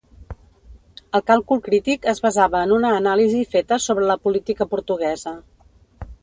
El càlcul crític es basava en una anàlisi feta sobre la política portuguesa.